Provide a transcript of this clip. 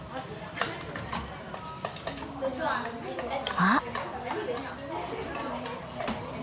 あっ！